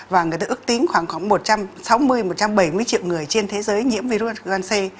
và người ta ước tính khoảng một trăm sáu mươi một trăm bảy mươi triệu người trên thế giới nhiễm virus gan c